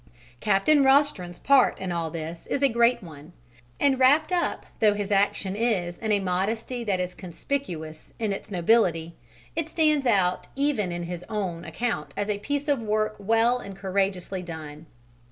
Captain Rostron's part in all this is a great one, and wrapped up though his action is in a modesty that is conspicuous in its nobility, it stands out even in his own account as a piece of work well and courageously done.